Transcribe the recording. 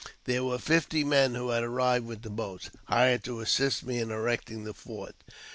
There were fifty men, who had arrived with the boats, hired to assist me in erecting the fort.